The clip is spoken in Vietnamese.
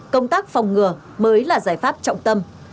công tác phòng ngừa mới là giải pháp trọng tâm